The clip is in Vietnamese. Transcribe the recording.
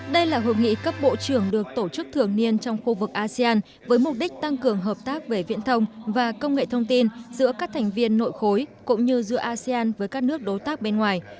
đây là hội nghị cấp bộ trưởng được tổ chức thường niên trong khu vực asean với mục đích tăng cường hợp tác về viễn thông và công nghệ thông tin giữa các thành viên nội khối cũng như giữa asean với các nước đối tác bên ngoài